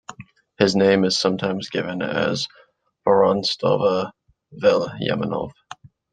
His name is sometimes given as Vorontsov-Vel'yaminov.